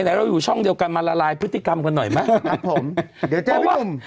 เราอยู่ช่องเดียวกันมาละลายพฤติกรรมกันหน่อยไหมครับผมเดี๋ยวเพราะว่า